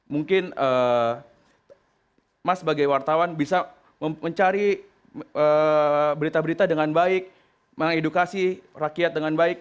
mungkin mas sebagai wartawan bisa mencari berita berita dengan baik mengedukasi rakyat dengan baik